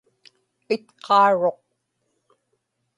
itqaaruq